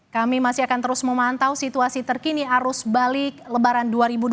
kami masih akan terus memantau situasi terkini arus balik lebaran dua ribu dua puluh